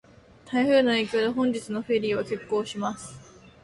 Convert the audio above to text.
台風の影響で、本日のフェリーは欠航します。